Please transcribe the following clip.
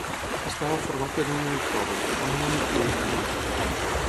Estava format per un únic poble, amb un únic tributari.